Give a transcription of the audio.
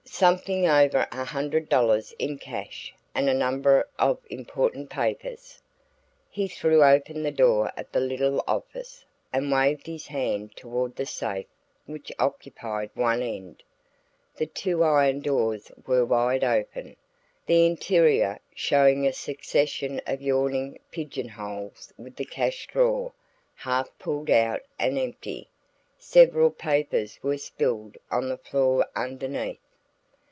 "Something over a hundred dollars in cash, and a number of important papers." He threw open the door of the little office, and waved his hand toward the safe which occupied one end. The two iron doors were wide open, the interior showing a succession of yawning pigeon holes with the cash drawer, half pulled out and empty. Several papers were spilled on the floor underneath.